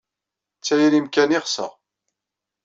D tayri-nnem kan ay ɣseɣ.